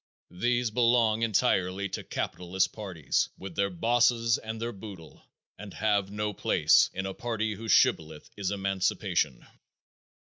These belong entirely to capitalist parties with their bosses and their boodle and have no place in a party whose shibboleth is emancipation.